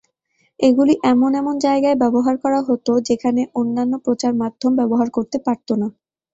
এগুলি এমন এমন জায়গায় ব্যবহার করা হত যেখানে অন্যান্য প্রচার মাধ্যম ব্যবহার করতে পারত না।